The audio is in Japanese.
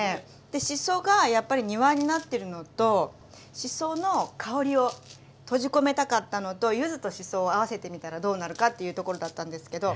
でしそがやっぱり庭になってるのとしその香りを閉じ込めたかったのと柚子としそを合わせてみたらどうなるかっていうところだったんですけど。